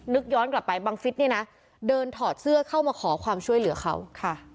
ย้อนกลับไปบังฟิศเนี่ยนะเดินถอดเสื้อเข้ามาขอความช่วยเหลือเขาค่ะ